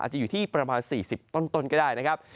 จะอยู่ที่ประมาณ๔๐ต้นก็ได้นะครับ